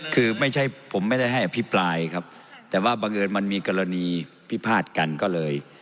คือไม่ใช่ผมไม่ได้ให้อภิปรายครับแต่ว่าบังเอิญมันมีกรณีพิพาทกันก็เลย